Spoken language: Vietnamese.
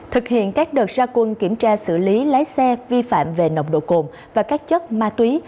thực hiện các đợt ra quân kiểm tra xử lý lái xe vi phạm về nồng độ cồn và các chất ma túy